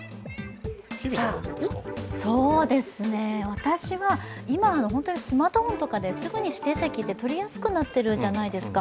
私は今、スマートフォンとかですぐに指定席って取りやすくなってるじゃないですか。